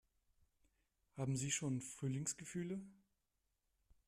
Haben Sie schon Frühlingsgefühle?